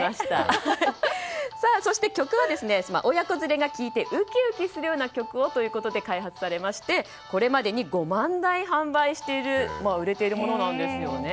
そして曲は親子連れが聞いてウキウキするような曲をということで開発されましてこれまでに５万台販売している売れているものなんですね。